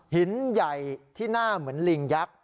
หินใหญ่ที่หน้าเหมือนลิงยักษ์